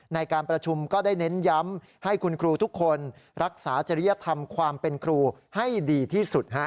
ในการประชุมก็ได้เน้นย้ำให้คุณครูทุกคนรักษาจริยธรรมความเป็นครูให้ดีที่สุด